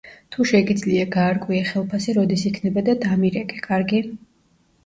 თუ შეგიძლია, გაარკვიე ხელფასი როდის იქნება და დამირეკე, კარგი?!